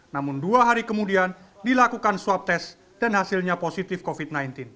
namun dua hari kemudian dilakukan swab test dan hasilnya positif covid sembilan belas